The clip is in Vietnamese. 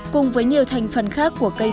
cùng với nhiều thành phần khác của cây sen